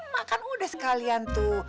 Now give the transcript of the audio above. mak kan udah sekalian tuh